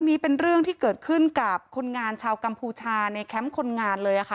เป็นเรื่องที่เกิดขึ้นกับคนงานชาวกัมพูชาในแคมป์คนงานเลยค่ะ